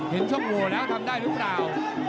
เห็นช่องโหวแล้วทำได้หรือเปล่า